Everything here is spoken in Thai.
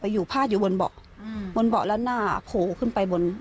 อยู่พาดอยู่บนเบาะอืมบนเบาะแล้วหน้าโผล่ขึ้นไปบน